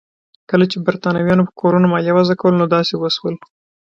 کله چې برېټانویانو په کورونو مالیه وضع کوله نو داسې وشول.